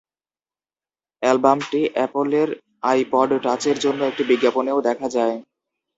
অ্যালবামটি অ্যাপলের iPod টাচের জন্য একটি বিজ্ঞাপনেও দেখা যায়।